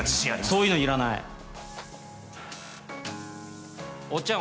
そういうのいらないおっちゃん